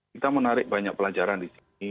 kita menarik banyak pelajaran di sini